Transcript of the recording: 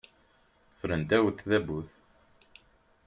Ffren ddaw tdabut.